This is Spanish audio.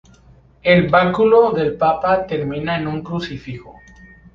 El báculo del Papa termina en un crucifijo.